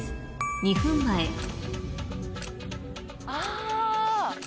２分前あ！